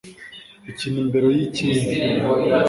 Ikintu imbere yi kindi